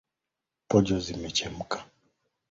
Pojo zimechemka.